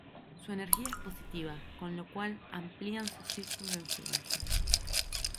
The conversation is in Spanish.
Su energía es positiva, con lo cual amplían su círculo de influencia.